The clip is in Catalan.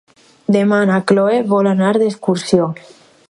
Demà na Cloè vol anar d'excursió.